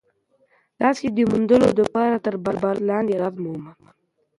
تاسي د موندلو دپاره تر بالښت لاندي راز وموند؟